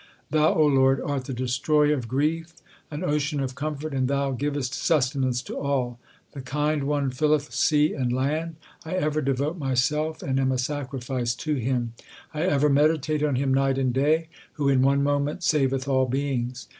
Thou, O Lord, art the Destroyer of grief, an Ocean of com fort, and Thou givest sustenance to all. The Kind One filleth sea and land : I ever devote myself and am a sacrifice to Him ; I ever meditate on Him night and day, who in one moment saveth all beings.